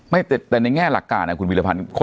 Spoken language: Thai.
แต่ในแง่หลักการคุณวิรพันธ์